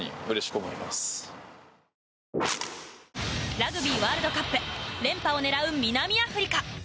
ラグビーワールドカップ連覇を狙う南アフリカ。